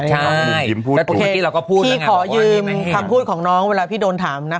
ใช่เราก็พูดพี่ขอยืมคำพูดของน้องเวลาพี่โดนถามนะคะ